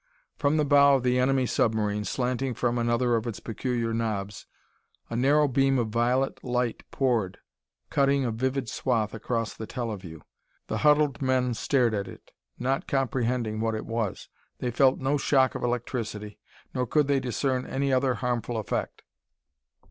From the bow of the enemy submarine, slanting from another of its peculiar knobs, a narrow beam of violet light poured, cutting a vivid swathe across the teleview. The huddled men stared at it, not comprehending what it was. They felt no shock of electricity, nor could they discern any other harmful effect.